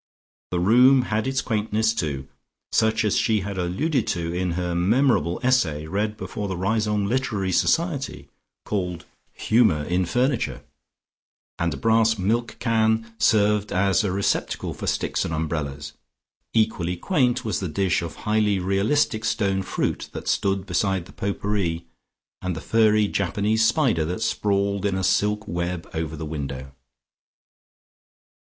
The room had its quaintness, too, such as she had alluded to in her memorable essay read before the Riseholme Literary Society, called "Humour in Furniture," and a brass milkcan served as a receptacle for sticks and umbrellas. Equally quaint was the dish of highly realistic stone fruit that stood beside the pot pourri and the furry Japanese spider that sprawled in a silk web over the window.